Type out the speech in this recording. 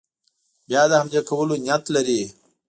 بیا د حملې کولو نیت لري.